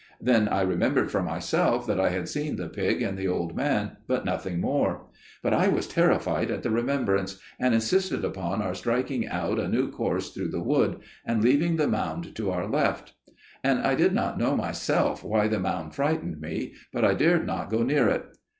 Then I remembered for myself that I had seen the pig and the old man, but nothing more: but I was terrified at the remembrance, and insisted upon our striking out a new course through the wood, and leaving the mound to our left. I did not know myself why the mound frightened me, but I dared not go near it.